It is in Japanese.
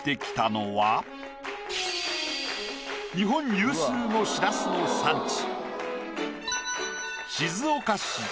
日本有数のしらすの産地。